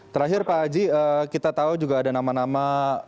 terakhir pak haji kita tahu juga ada nama nama